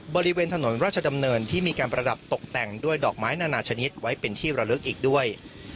บริเวณถนนราชดำเนินที่มีการประดับตกแต่งด้วยดอกไม้นานาชนิดไว้เป็นที่ระลึกอีกด้วย